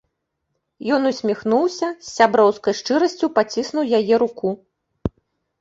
Ён усміхнуўся, з сяброўскай шчырасцю паціснуў яе руку.